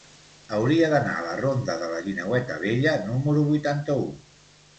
Hauria d'anar a la ronda de la Guineueta Vella número vuitanta-u.